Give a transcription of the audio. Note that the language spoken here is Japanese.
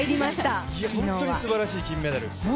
いや本当にすばらしい金メダル。